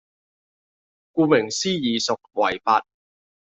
顧名思義屬違法